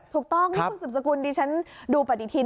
ถูกต้องนี่คุณสุบสกุลดิฉันดูปฏิทิน